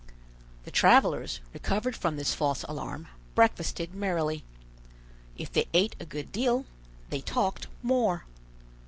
The travelers, recovered from this false alarm, breakfasted merrily. If they ate a good deal, they talked more.